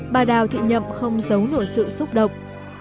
bà đào thị nhậm không giấu nổi sự xúc động